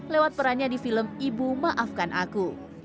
lewat perannya di film ibu maafkan aku